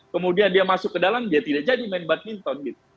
kemudian dia masuk ke dalam dia tidak jadi main badminton